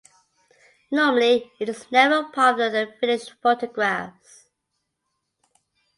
Normally it is never part of the finished photographs.